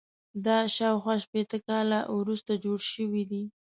دا شاوخوا شپېته کاله وروسته جوړ شوی دی.